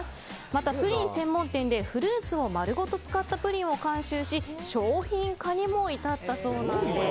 また、プリン専門店でフルーツを丸ごと使ったプリンを監修し商品化にも至ったそうなんです。